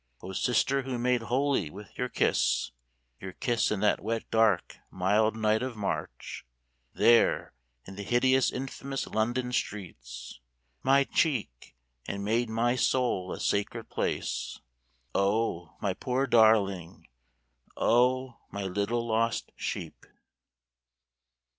O sister who made holy with your kiss, Your kiss in that wet dark mild night of March There in the hideous infamous London streets My cheek, and made my soul a sacred place, O my poor darling, O my little lost sheep!